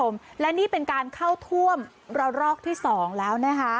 คุณผู้ชมและนี่เป็นการเข้าท่วมรอบที่สองแล้ว